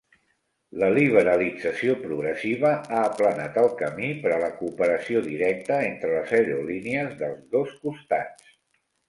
La liberalització progressiva ha aplanat el camí per a la cooperació directa entre les aerolínies dels dos costats.